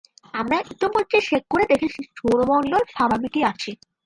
আমরা ইতোমধ্যেই চেক করে দেখেছি, সৌরমন্ডল স্বাভাবিকই আছে।